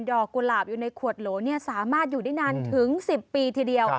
กุหลาบอยู่ในขวดโหลสามารถอยู่ได้นานถึง๑๐ปีทีเดียว